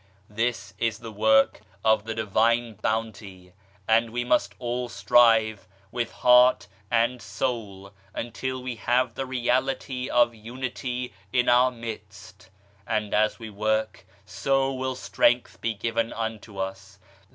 This is the work of the Divine Bounty, and we must all strive with heart and soul until we have the Reality of Unity in our midst, and as we work, so will strength be given unto us.